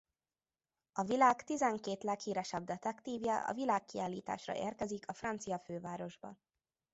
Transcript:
A világ tizenkét leghíresebb detektívje a világkiállításra érkezik a francia fővárosba.